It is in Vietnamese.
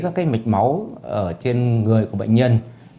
các cái mạch máu ở trên người của bệnh nhân